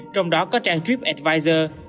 trong đó có trang tripadvisor